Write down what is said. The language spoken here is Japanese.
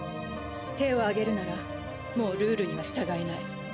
手をあげるならもうルールには従えない。